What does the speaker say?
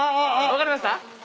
分かりました？